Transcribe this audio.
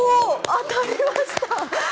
当たりました！